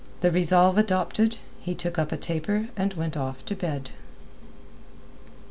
The resolve adopted, he took up a taper and went off to bed.